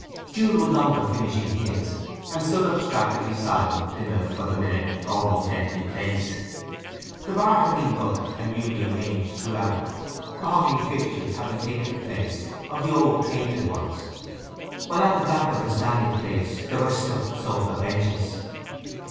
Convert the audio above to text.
Jude was longer finishing his, and stood abstractedly silent in the, for the minute, almost empty place. The bar had been gutted and newly arranged throughout, mahogany fixtures having taken the place of the old painted ones, while at the back of the standing space there were stuffed sofa benches.